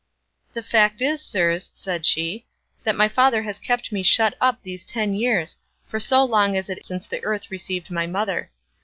"The fact is, sirs," said she, "that my father has kept me shut up these ten years, for so long is it since the earth received my mother.